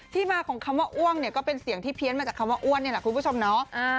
มาของคำว่าอ้วนเนี่ยก็เป็นเสียงที่เพี้ยนมาจากคำว่าอ้วนนี่แหละคุณผู้ชมเนาะ